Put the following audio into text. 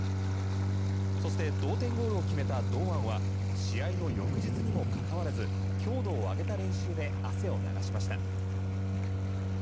そして同点ゴールを決めた堂安は試合の翌日にもかかわらず強度を上げた練習で汗を流しました。